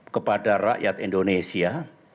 kepada rakyat indonesia